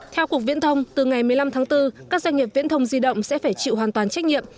theo cục viễn thông từ ngày một mươi năm tháng bốn các doanh nghiệp viễn thông di động sẽ phải chịu hoàn toàn trách nhiệm